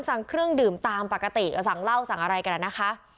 สั่งเครื่องดื่มตามปกติก็สั่งเหล้าสั่งอะไรกันนะคะ